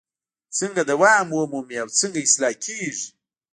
څنګه دوام ومومي او څنګه اصلاح کیږي؟